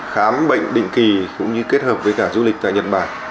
khám bệnh định kỳ cũng như kết hợp với cả du lịch tại nhật bản